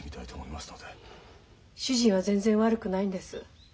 主人は全然悪くないんです。